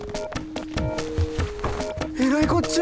えらいこっちゃ！